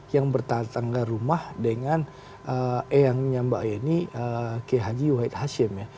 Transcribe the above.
yang bertangga rumah dengan eyangnya mbak yeni kehaji wahid hashim ya